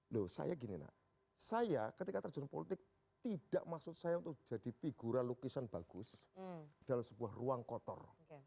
loh saya gini nak saya ketika terjun politik tidak maksud saya untuk jadi figura lukisan bagus dalam sebuah ruang kotor